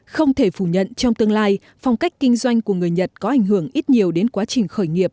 không thể phủ nhận trong tương lai phong cách kinh doanh của người nhật có ảnh hưởng ít nhiều đến quá trình khởi nghiệp